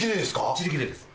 自力でです。